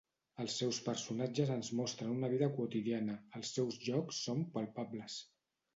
Els seus personatges ens mostren una vida quotidiana; els seus llocs són palpables.